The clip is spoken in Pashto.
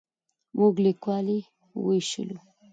موږ کلیوال یې وویشلو.